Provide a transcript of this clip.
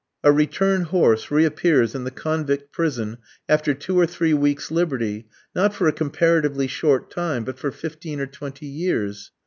A "return horse" re appears in the convict prison after two or three weeks' liberty, not for a comparatively short time, but for fifteen or twenty years.